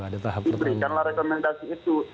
diberikanlah rekomendasi itu